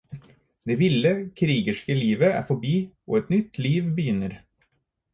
Det ville, krigerske livet er forbi, og et nytt liv begynner.